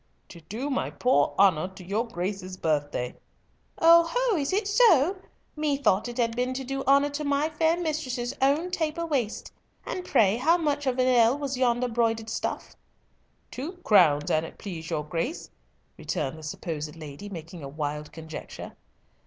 "To do my poor honour to your Grace's birthday." "Oh ho! Is it so? Methought it had been to do honour to my fair mistress's own taper waist. And pray how much an ell was yonder broidered stuff?" "Two crowns, an't please your Grace," returned the supposed lady, making a wild conjecture.